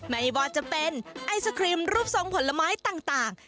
ไม่ว่าจะเป็นไอศครีมรูปทรงผลไม้ต่าง